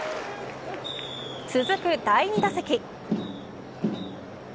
続く第２打席。